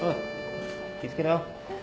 気ぃ付けろよ。